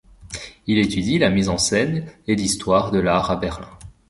Il étudie la mise en scène et l'histoire de l'art à Berlin.